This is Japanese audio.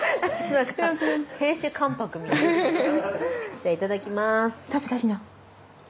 じゃいただきます。